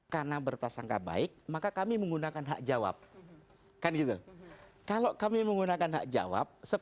ketika masih dalam diskusi